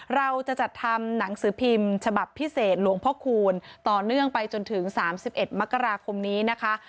เราจะจัดทำหนังสือพิมพ์ฉบับพิเศษหลวงพ่อคูณต่อเนื่องไปจนถึง๓๑มกราคมนี้นะคะ